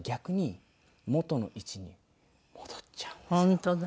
本当だ。